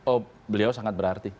oh beliau sangat berarti